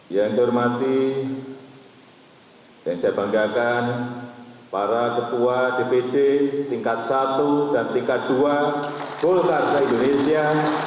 yang saya hormati yang saya banggakan para ketua dpd tingkat satu dan tingkat dua golkar se indonesia